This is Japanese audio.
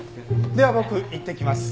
では僕いってきます。